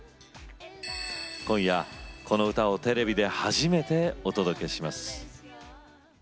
今夜、この歌をテレビで初めてお届けします。